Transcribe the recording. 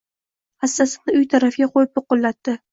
Hassasini uy tarafga qo‘yib do‘qillatdi.